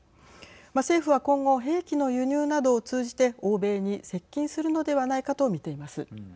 政府は今後兵器の輸入などを通じて欧米に接近するのではないかと見ています。